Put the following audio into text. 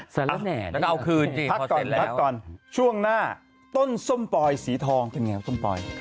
งั้นเอาคืนพักก่อนพักก่อนช่วงหน้าต้นส้มปลอยสีทองเป็นไงวส้มปลอย